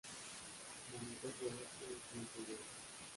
Monitor de Ocio y Tiempo Libre.